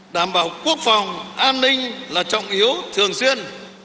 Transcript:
đảm bảo quốc phòng an ninh là trọng yếu thường xuyên